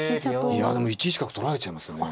いやでも１一角取られちゃいますよね。